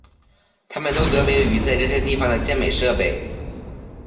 它们都得名于在这些地方的健美设备。